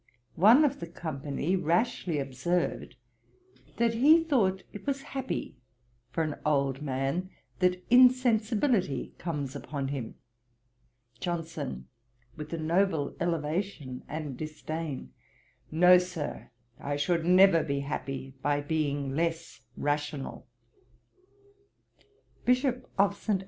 One of the company rashly observed, that he thought it was happy for an old man that insensibility comes upon him. JOHNSON: (with a noble elevation and disdain,) 'No, Sir, I should never be happy by being less rational.' BISHOP OF ST.